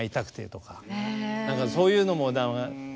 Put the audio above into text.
だからそういうのもね。